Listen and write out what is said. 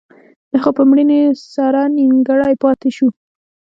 د هغه په مړینې سره نیمګړی پاتې شو.